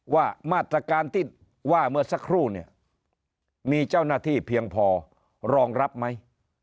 ว่ามาตรการที่ว่าเมื่อสักครู่เนี่ยมีเจ้าหน้าที่เพียงพอรองรับไหม